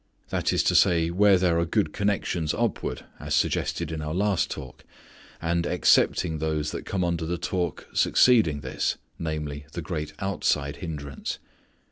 That is to say, where there are good connections upward as suggested in our last talk, and, excepting those that come under the talk succeeding this, namely, the great outside hindrance.